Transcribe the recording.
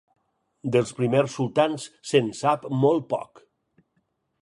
Dels primers sultans se'n sap molt poc.